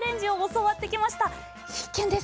必見です。